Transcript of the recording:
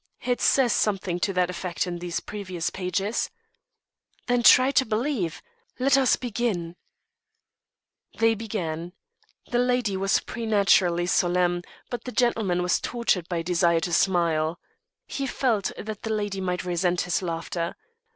"It says something to that effect in these precious pages." "Then try to believe. Let us begin." They began. The lady was preternaturally solemn, but the gentleman was tortured by a desire to smile. He felt that the lady might resent his laughter.